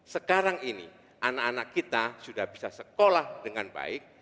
sekarang ini anak anak kita sudah bisa sekolah dengan baik